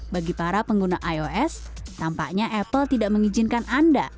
bagi para pengguna ios tampaknya apple tidak mengizinkan anda